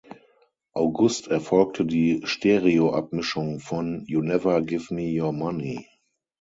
August erfolgte die Stereoabmischung von "You Never Give Me Your Money".